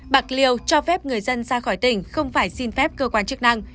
bạc liêu cho phép người dân ra khỏi tỉnh không phải xin phép cơ quan chức năng